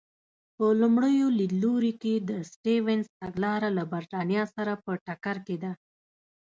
په لومړي لیدلوري کې د سټیونز تګلاره له برېټانیا سره په ټکر کې ده.